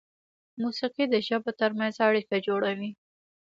موسیقي د ژبو تر منځ اړیکه جوړوي.